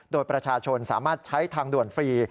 โดยประชาชนสามารถใช้ทางด่วนฟรี